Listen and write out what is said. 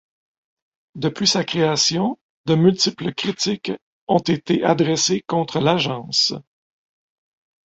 Depuis sa création, de multiples critiques ont été adressées contre l'agence.